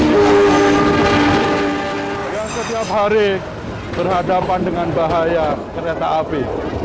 yang setiap hari berhadapan dengan bahaya kereta api